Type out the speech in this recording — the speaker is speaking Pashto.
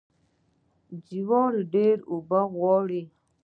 جوار ډیرې اوبه غواړي.